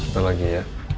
satu lagi ya